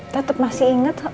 tetep masih inget